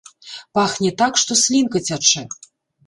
Пахне так, што слінка цячэ!